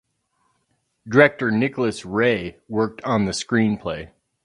Director Nicholas Ray worked on the screenplay.